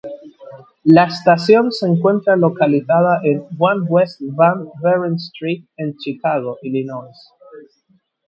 La estación se encuentra localizada en One West Van Buren Street en Chicago, Illinois.